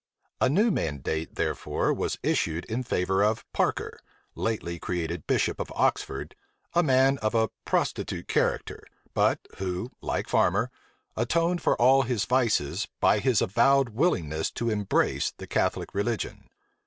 A new mandate, therefore, was issued in favor of Parker, lately created bishop of Oxford, a man of a prostitute character, but who, like Farmer, atoned for all his vices by his avowed willingness to embrace the Catholic religion.